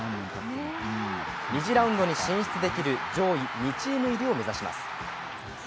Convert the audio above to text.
２次ラウンドに進出できる上位２チーム入りを目指します。